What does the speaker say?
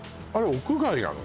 屋外なの？